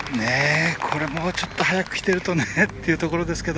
これもうちょっと早くきてるとねというところですけど。